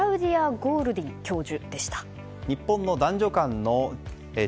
ゴールディン教授